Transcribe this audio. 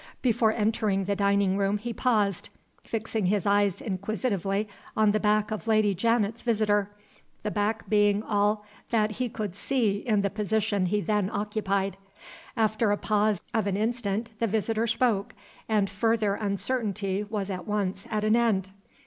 Before entering the dining room he paused, fixing his eyes inquisitively on the back of Lady Janet's visitor the back being all that he could see in the position he then occupied. After a pause of an instant the visitor spoke, and further uncertainty was at once at an end.